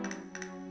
ya ya gak